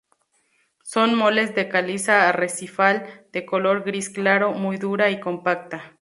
Son moles de caliza arrecifal de color gris claro, muy dura y compacta.